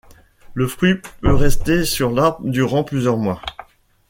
Le fruit peut rester sur l'arbre durant plusieurs mois.